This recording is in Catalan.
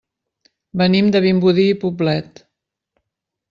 Venim de Vimbodí i Poblet.